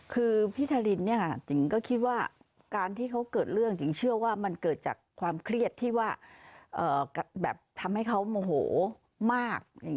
คือพี่ทารินเนี่ยจริงก็คิดว่าการที่เขาเกิดเรื่องจิ๋งเชื่อว่ามันเกิดจากความเครียดที่ว่าแบบทำให้เขาโมโหมาก